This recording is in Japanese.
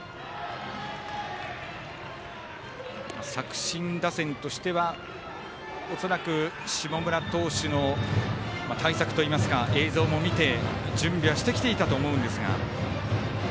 作新打線としては恐らく、下村投手の対策といいますか映像も見て準備はしてきたと思うんですが。